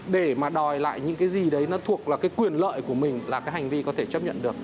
để mà đòi lại những cái gì đấy nó thuộc là cái quyền lợi của mình là cái hành vi có thể chấp nhận được